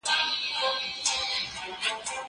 کېدای سي کښېناستل اوږدې وي!؟